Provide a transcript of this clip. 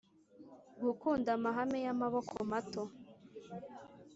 gukunda mahame y'amaboko mato.